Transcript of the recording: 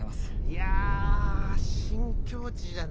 いや新境地じゃない？